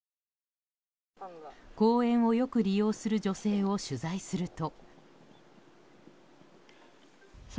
公園をよく利用する女性を取材すると。